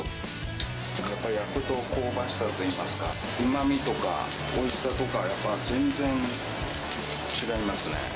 やっぱり焼くと香ばしさといいますか、うまみとか、おいしさとか、やっぱ全然違いますね。